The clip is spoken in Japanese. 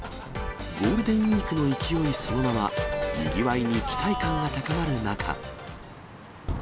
ゴールデンウィークの勢いそのまま、にぎわいに期待感が高まる中。